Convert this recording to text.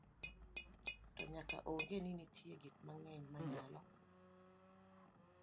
to nyaka ong'e ni nitie gik mang'eny manyalo